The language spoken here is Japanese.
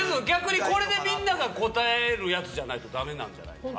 逆にこれでみんなが答えるやつじゃないとダメなんじゃない？